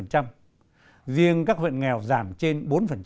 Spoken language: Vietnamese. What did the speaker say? riêng các huyện nghèo giảm trên bốn